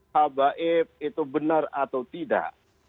habaib itu benar atau tidak